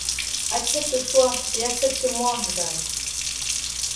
Accepte-toi et accepte-moi, Jacques.